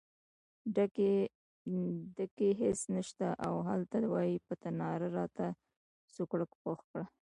ډکی خس نشته او هلته وایې په تناره راته سوکړک پخ کړه.